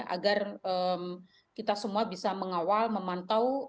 agar kita semua bisa mengawal memantau